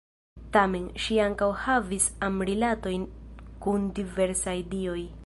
Tamen, ŝi ankaŭ havis am-rilatojn kun diversaj dioj.